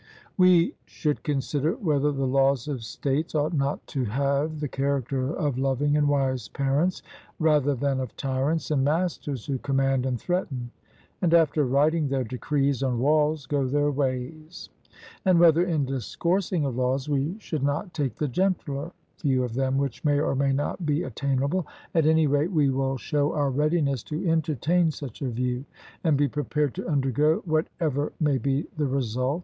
We should consider whether the laws of states ought not to have the character of loving and wise parents, rather than of tyrants and masters, who command and threaten, and, after writing their decrees on walls, go their ways; and whether, in discoursing of laws, we should not take the gentler view of them which may or may not be attainable at any rate, we will show our readiness to entertain such a view, and be prepared to undergo whatever may be the result.